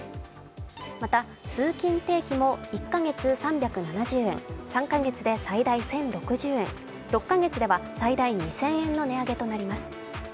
また通勤定期も１カ月３７０円、３カ月で最大１０６０円、６カ月では最大２０００円の値上げとなります。